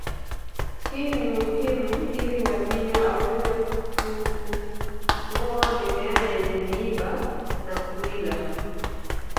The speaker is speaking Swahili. Hii ni muhimu ili ngamia aweze kungoa mimea yenye miiba na kuila